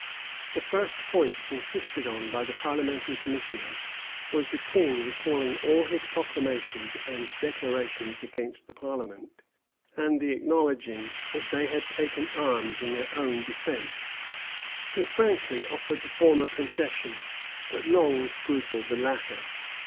The first point insisted on by the parliamentary commissioners, was the king's recalling all his proclamations and declarations against the parliament, and the acknowledging that they had taken arms in their own defence. He frankly offered the former concession, but long scrupled the latter.